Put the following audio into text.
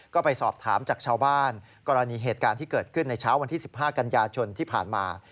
ก็ไปสอบถามจากชาวบ้านกรณีเหตุการณ์ที่เกิดขึ้นในเช้าวันที่๑๕กันยายนที่ผ่านมา